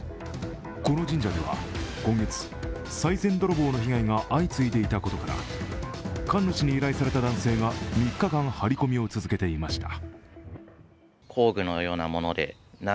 この神社では、今月さい銭泥棒の被害が相次いでいたことから神主に依頼された男性が３日間、張り込みを続けていました。